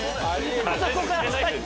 あそこから下に。